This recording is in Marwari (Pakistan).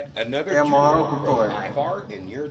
اَي مهارو ڪُتو هيَ۔